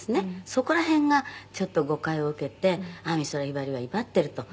「そこら辺がちょっと誤解を受けて美空ひばりは威張ってると」